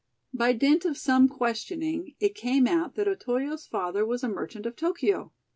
By dint of some questioning, it came out that Otoyo's father was a merchant of Tokio.